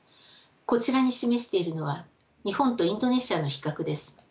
こちらに示しているのは日本とインドネシアの比較です。